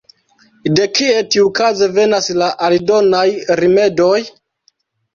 De kie tiukaze venas la aldonaj rimedoj?